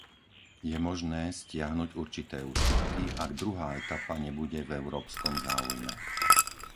Je možné stiahnuť určité ústupky, ak druhá etapa nebude v európskom záujme.